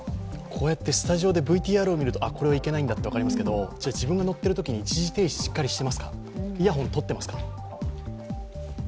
こうやってスタジオでＶＴＲを見るとあ、これはいけないんだと分かりますけど、じゃ自分が乗ってるときに一時停止しっかりしてますか、イヤホン取ってますか？